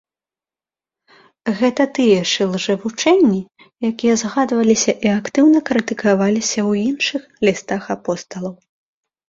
Гэта тыя ж ілжэвучэнні, якія згадваліся і актыўна крытыкаваліся ў іншых лістах апосталаў.